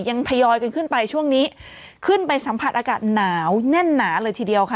ทยอยกันขึ้นไปช่วงนี้ขึ้นไปสัมผัสอากาศหนาวแน่นหนาเลยทีเดียวค่ะ